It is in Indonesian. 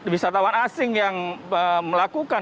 wisatawan asing yang melakukan